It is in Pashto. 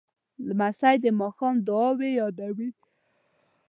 لمسی د ماښام دعاوې یادوي.